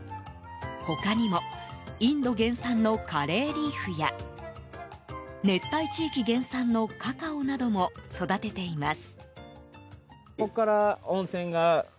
他にもインド原産のカレーリーフや熱帯地域原産のカカオなども育てています。